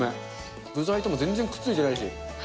具材とも全然くっついてないし。